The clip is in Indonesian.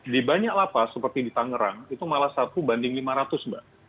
di banyak lapas seperti di tangerang itu malah satu banding lima ratus mbak